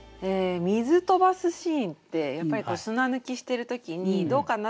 水とばすシーンってやっぱり砂抜きしてる時にどうかな？